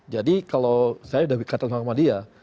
jadi kalau saya sudah berkata sama dia